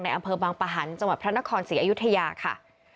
อำเภอบางปะหันต์จังหวัดพระนครศรีอยุธยาค่ะ